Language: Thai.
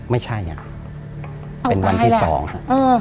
ไม่ใช่เป็นวันที่๒ฮะ